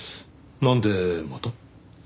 なんでまた？